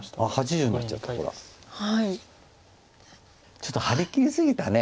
ちょっと張り切り過ぎたね。